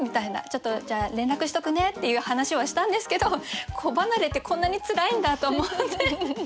ちょっとじゃあ連絡しとくねっていう話はしたんですけど子離れってこんなにつらいんだと思って。